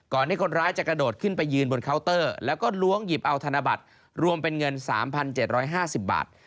ที่คนร้ายจะกระโดดขึ้นไปยืนบนเคาน์เตอร์แล้วก็ล้วงหยิบเอาธนบัตรรวมเป็นเงิน๓๗๕๐บาท